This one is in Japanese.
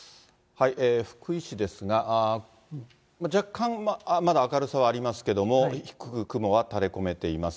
福井市ですが、若干まだ明るさはありますけれども、低く雲は垂れ込めています。